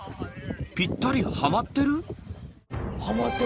［ぴったりはまってる！？］